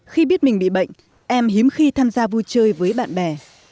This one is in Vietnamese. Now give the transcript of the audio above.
khi biết mình bị bệnh em hiếm khi tham gia vui chơi với bạn bè